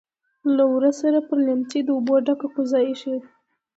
لهٔ ورهٔ سره پر لیمڅي د اوبو ډکه کوزه ایښې.